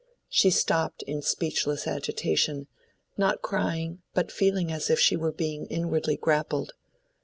She stopped in speechless agitation, not crying, but feeling as if she were being inwardly grappled.